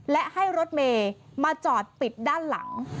และให้รถเมย์มาจอดปิดด้านหลัง